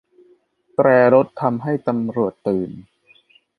แตรรถทำให้ตำรวจตื่น